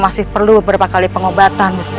masih perlu berapa kali pengobatan gusti